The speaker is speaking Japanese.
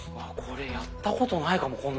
これやったことないかも。